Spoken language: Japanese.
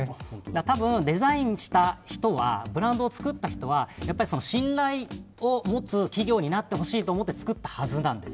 多分、デザインした人はブランドを作った人は信頼を持つ企業になってほしいと思って作ったはずなんです。